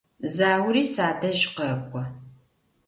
Заури садэжь къэкӏо.